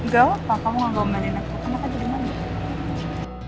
gak apa apa kamu gak ngomelin aku kamu kan jadi manis